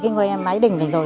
cái nguyên máy đỉnh này rồi